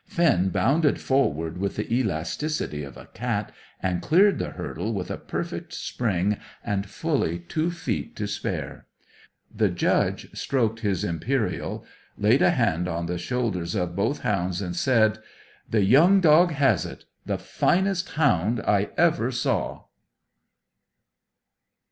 Finn bounded forward with the elasticity of a cat, and cleared the hurdle with a perfect spring and fully two feet to spare. The Judge stroked his imperial, laid a hand on the shoulders of both hounds, and said "The young dog has it the finest hound I ever saw!"